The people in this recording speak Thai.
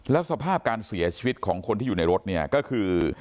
แล้วสภาพการเสียชีวิตของคนที่อยู่ในรถเนี่ยก็คือ